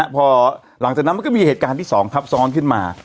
พอหลังจากนั้นมันก็มีเหตุการณ์ที่๒ทับซ้อนขึ้นมา